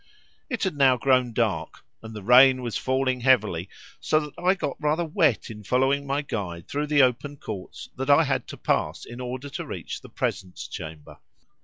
It had now grown dark, and the rain was falling heavily, so that I got rather wet in following my guide through the open courts that I had to pass in order to reach the presence chamber.